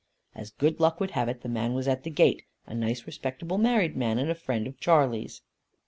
As good luck would have it, the man was at the gate; a nice respectable married man, and a friend of Charley's.